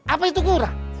apa itu kurang